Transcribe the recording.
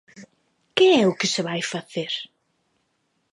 ¿Que é o que se vai facer?